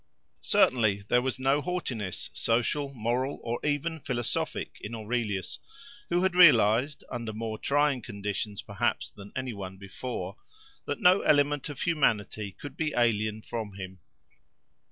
Certainly, there was no haughtiness, social, moral, or even philosophic, in Aurelius, who had realised, under more trying conditions perhaps than any one before, that no element of humanity could be alien from him.